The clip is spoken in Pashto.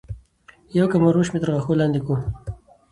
يو کمر روش مي تر غاښو لاندي کو